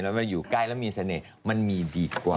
แล้วมันอยู่ใกล้แล้วมีเสน่ห์มันมีดีกว่า